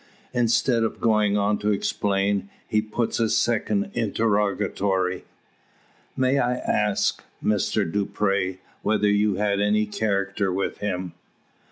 Instead of going on to explain, he puts a second interrogatory "May I ask, M. Dupre, whether you had any character with him?"